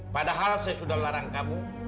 padahal saya sudah larang kamu